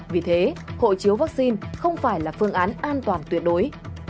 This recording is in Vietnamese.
vì thế hộ chiếu vaccine không phải là phương án an toàn tuyệt đối